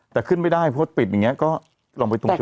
แต่ขึ้นไม่ได้เพราะว่าปิดอย่างเงี้ยก็ลองไปตรงจุดอื่น